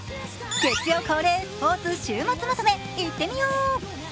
月曜恒例、スポーツ週末まとめいってみよう。